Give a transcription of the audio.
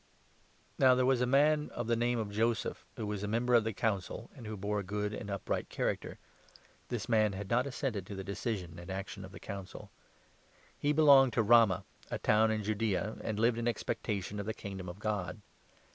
The Burial Now there was a man of the name of Joseph, 50 of Jesus, who was a member of the Council, and who bore a good and upright character. (This man had not assented to 51 the decision and action of the Council.) He belonged to Ramah, a town in Judaea, and lived in expectation of the Kingdom of God.